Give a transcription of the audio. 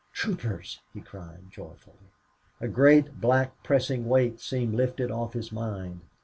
"Troopers!" he cried, joyfully. A great black pressing weight seemed lifted off his mind.